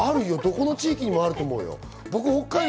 どこの地域にもあると思うよ